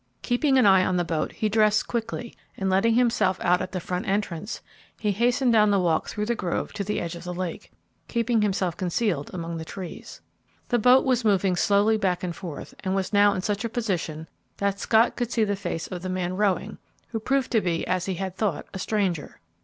Keeping an eye on the boat, he dressed quickly and, letting himself out at the front entrance, he hastened down the walk through the grove to the edge of the lake, keeping himself concealed among the trees. The boat was moving slowly back and forth, and was now in such a position that Scott could see the face of the man rowing, who proved to be, as he had thought, a stranger.